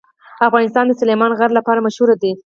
افغانستان د سلیمان غر لپاره مشهور دی.